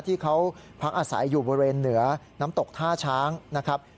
ที่เขาพักอาศัยอยู่บริเวณเหนือน้ำตกท่าช้างนะครับ